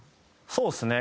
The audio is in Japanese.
そうですね。